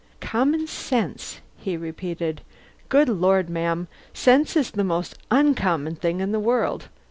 "Common sense?" he repeated. "Good Lord, ma'am, sense is the most uncommon thing in the world.